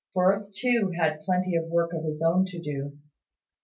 Firth, too, had plenty of work of his own to do.